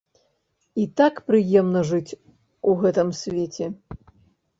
І так прыемна жыць у гэтым свеце.